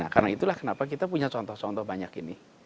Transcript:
karena itulah kenapa kita punya contoh contoh banyak ini